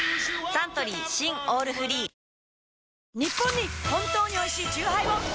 サントリー新「オールフリー」ニッポンに本当においしいチューハイを！